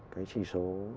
cái trí số